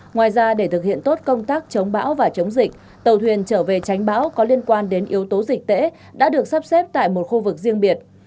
ngoài ra để thực hiện tốt công tác chống bão và chống dịch tàu thuyền trở về tránh bão có liên quan đến yếu tố dịch tễ đã được sắp xếp tại một khu vực riêng biệt